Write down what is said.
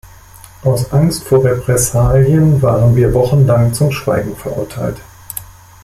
Aus Angst vor Repressalien waren wir wochenlang zum Schweigen verurteilt.